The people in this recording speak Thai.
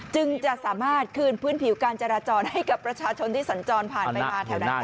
จึงจะสามารถคืนพื้นผิวการจราจรให้กับประชาชนที่สัญจรผ่านไปมาแถวนั้นได้